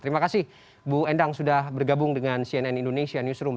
terima kasih bu endang sudah bergabung dengan cnn indonesia newsroom